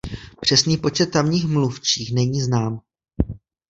Přesný počet tamních mluvčích není znám.